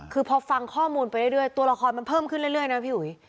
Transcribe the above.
คือพอฟังข้อมูลไปเรื่อยตัวละครมันเพิ่มขึ้นเรื่อยนะพี่หุย